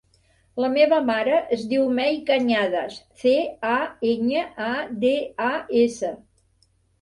La meva mare es diu Mei Cañadas: ce, a, enya, a, de, a, essa.